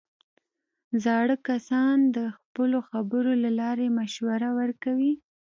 زاړه کسان د خپلو خبرو له لارې مشوره ورکوي